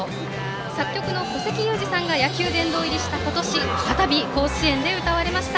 作曲の古関裕而さんが野球殿堂入りした今年再び甲子園で歌われました。